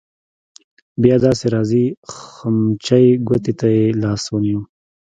بیا داسې راځې خمچۍ ګوتې ته يې لاس ونیو.